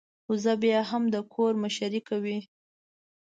وزه بيا هم د کور مشرۍ کوي.